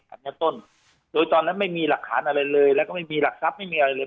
อันนี้ต้นโดยตอนนั้นไม่มีหลักฐานอะไรเลยแล้วก็ไม่มีหลักทรัพย์ไม่มีอะไรเลย